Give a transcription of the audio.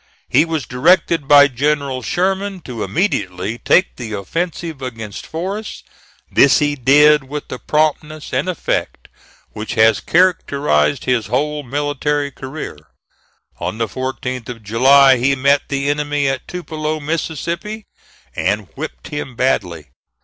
He was directed by General Sherman to immediately take the offensive against Forrest. This he did with the promptness and effect which has characterized his whole military career. On the 14th of July, he met the enemy at Tupelo, Mississippi, and whipped him badly.